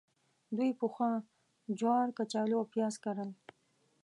دوی پخوا جوار، کچالو او پیاز کرل.